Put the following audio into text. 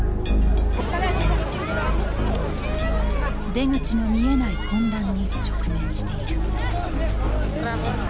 出口の見えない混乱に直面している。